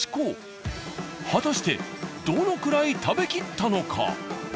果たしてどのくらい食べきったのか？